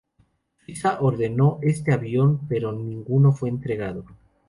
Suiza ordeno este avión, pero ninguno fue entregado.